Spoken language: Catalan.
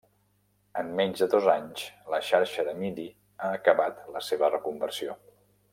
En menys de dos anys, la xarxa de Midi ha acabat la seva reconversió.